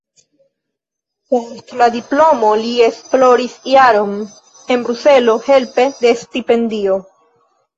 Post la diplomo li esploris jaron en Bruselo helpe de stipendio.